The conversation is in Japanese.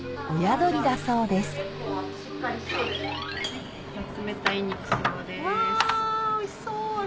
うわおいしそう！